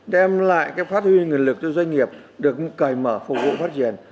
đem lại cái phát huy nguồn lực cho doanh nghiệp được cởi mở phục vụ phát triển